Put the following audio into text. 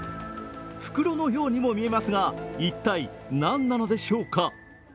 袋のようにも見えますが一体何なのでしょうか。